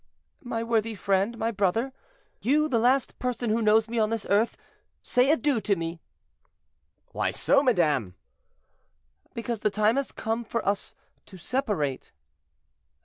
"My worthy friend, my brother—you, the last person who knows me on this earth—say adieu to me." "Why so, madame?" "Because the time has come for us to separate."